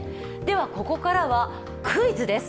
ここからはクイズです。